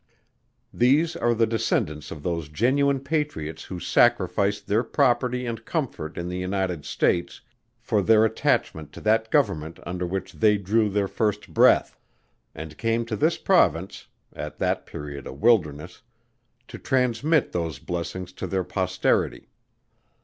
These are the descendants of those genuine patriots who sacrificed their property and comfort in the United States for their attachment to that Government under which they drew their first breath; and came to this Province (at that period a wilderness) to transmit those blessings to their posterity.